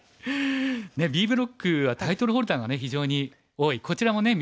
ねえＢブロックはタイトルホルダーが非常に多いこちらもね